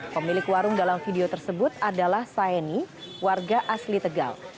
pemilik warung dalam video tersebut adalah saini warga asli tegal